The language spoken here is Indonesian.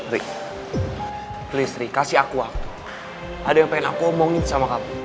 beli listrik kasih aku waktu ada yang pengen aku omongin sama kamu